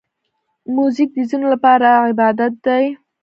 موزیک د ځینو لپاره عبادت دی.